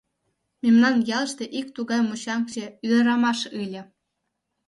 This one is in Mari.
Мемнан ялыште ик тугай мужаҥче ӱдырамаш ыле.